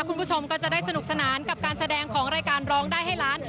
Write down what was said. คุณผู้ชมก็จะได้สนุกสนานกับการแสดงของรายการร้องได้ให้ล้าน